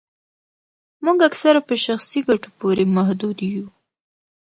موږ اکثره په شخصي ګټو پوري محدود یو